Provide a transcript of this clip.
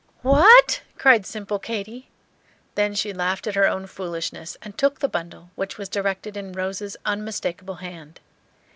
"What!" cried simple Katy. Then she laughed at her own foolishness, and took the "bundle," which was directed in Rose's unmistakable hand.